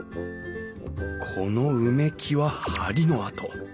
この埋め木は梁の跡。